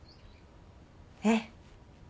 ええ。